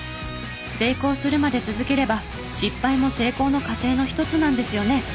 成功するまで続ければ失敗も成功の過程の一つなんですよね？